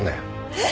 えっ！？